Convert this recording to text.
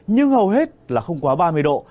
nhưng hầu hết là không quá ba mươi độ